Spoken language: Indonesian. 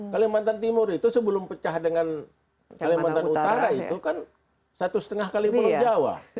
kalimantan timur itu sebelum pecah dengan kalimantan utara itu kan satu setengah kalimantan jawa